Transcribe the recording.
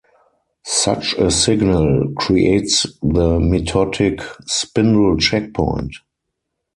Such a signal creates the mitotic spindle checkpoint.